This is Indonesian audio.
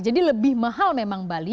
jadi lebih mahal memang bali